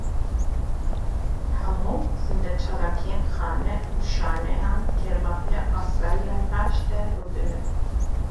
Hemû zîndeçalakiyên xane û şaneyan, di germahiya asayî ya laş de rû didin.